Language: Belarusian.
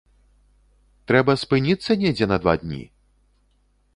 Трэба спыніцца недзе на два дні?